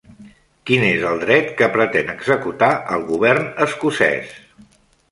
Quin és el dret que pretén executar el govern escocès?